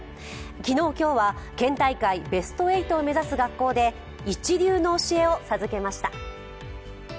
昨日、今日は県大会ベスト８を目指す学校でイチ流の教えを授けました。